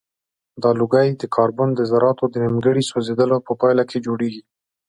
دا لوګی د کاربن د ذراتو د نیمګړي سوځیدلو په پایله کې جوړیږي.